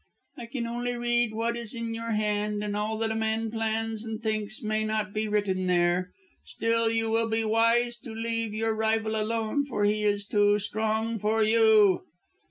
"I can only read what is in your hand, and all that a man plans and thinks may not be written there. Still, you will be wise to leave your rival alone, for he is too strong for you."